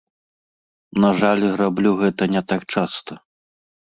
На жаль, раблю гэта не так часта.